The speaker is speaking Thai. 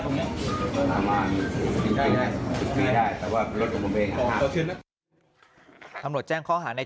ตรงนี้ไม่ได้แต่ว่ารถของผมเองครับทำหนดแจ้งข้อหาใน